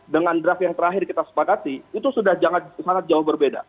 dengan draft yang terakhir kita sepakati itu sudah sangat jauh berbeda